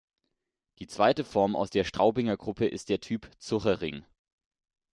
Die zweite Form aus der Straubinger Gruppe ist der Typ "Zuchering".